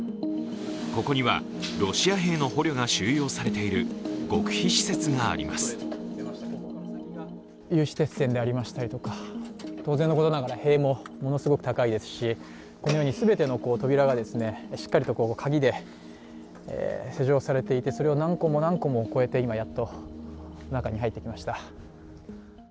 ここにはロシア兵の捕虜が収容されている有刺鉄線でありましたりとか当然のことながら、塀もものすごく高いですしこのように全ての扉がしっかりと鍵で施錠されていて、それを何個も何個も越えて今やっと中に入ってきました。